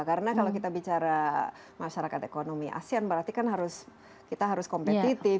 karena kalau kita bicara masyarakat ekonomi asean berarti kan harus kita harus kompetitif